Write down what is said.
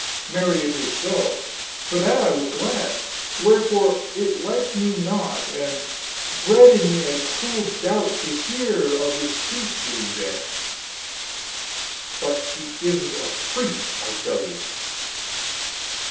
"Marry, it is so, and for that I was glad; wherefore it liked me not, and bred in me a cold doubt, to hear of this priest being there." "But he isn't a priest, I tell you."